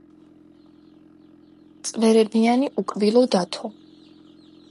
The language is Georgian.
წვერებიანი უკბილო დათო